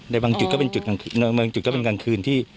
แต่บางจุดก็เป็นงานคืน